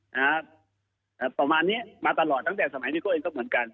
ประมาณเนี้ยมาตลอดตั้งแต่สมัยนี้ก็เองก็เหมือนกัน